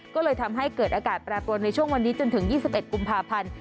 ก็เลยทำให้เกิดอากาศแปรปรวนในช่วงวันนี้จนถึง๒๑กุมภาพันธ์